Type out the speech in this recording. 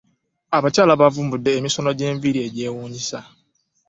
Abakyala bavumbudde emisono gy'enviri egyewuunyisa.